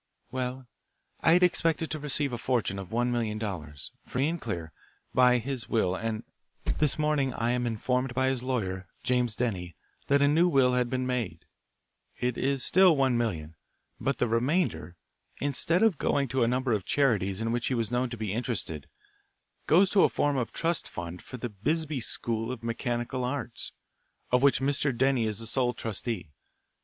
"Well, I had expected to receive a fortune of one million dollars, free and clear, by his will and this morning I am informed by his lawyer, James Denny, that a new will had been made. It is still one million. But the remainder, instead of going to a number of charities in which he was known to be interested, goes to form a trust fund for the Bisbee School of Mechanical Arts, of which Mr. Denny is the sole trustee.